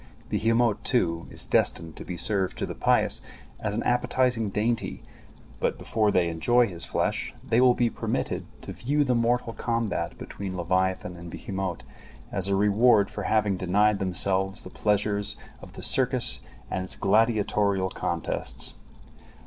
Behemot, too, is destined to be served to the pious as an appetizing dainty, but before they enjoy his flesh, they will be permitted to view the mortal combat between leviathan and behemot, as a reward for having denied themselves the pleasures of the circus and its gladiatorial contests.